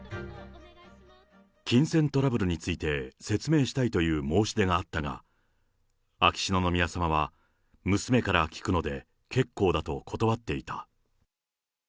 金銭トラブルについて説明したいという申し出があったが、秋篠宮さまは娘から聞くので結構だと断っていた。